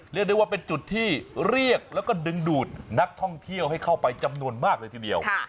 เรียกได้ว่าเป็นจุดที่เรียกแล้วก็ดึงดูดนักท่องเที่ยวให้เข้าไปจำนวนมากเลยทีเดียว